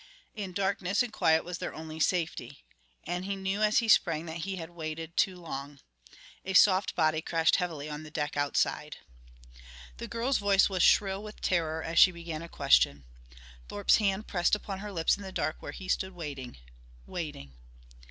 In darkness and quiet was their only safety. And he knew as he sprang that he had waited too long. A soft body crashed heavily on the deck outside. The girl's voice was shrill with terror as she began a question. Thorpe's hand pressed upon her lips in the dark where he stood waiting waiting.